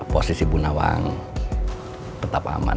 posisi bu nawang tetap aman